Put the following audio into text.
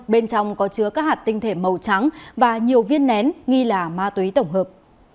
bên trong có chứa các hạt tinh thể màu trắng và nhiều viên nén nghi là ma túy tổng hợp